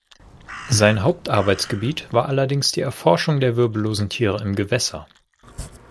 Sein Hauptarbeitsgebiet war allerdings die Erforschung der wirbellosen Tiere im Gewässer.